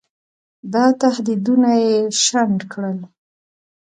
دا تهدیدونه یې شنډ کړل.